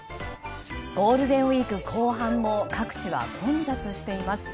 ゴールデンウィーク後半も各地は混雑しています。